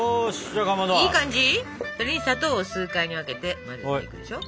それに砂糖を数回に分けて混ぜていくでしょ。